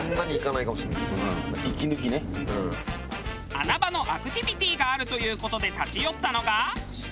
穴場のアクティビティがあるという事で立ち寄ったのが。